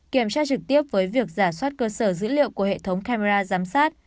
kiểm tra trực tiếp với việc giả soát cơ sở dữ liệu của hệ thống camera giám sát